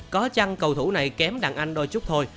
có chăng cầu thủ này kém đàn anh đôi chút thôi